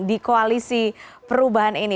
di koalisi perubahan ini